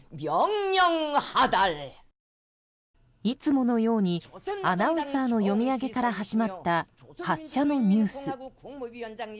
いつものようにアナウンサーの読み上げから始まった発射のニュース。